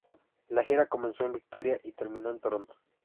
La gira comenzó en Victoria y terminó en Toronto.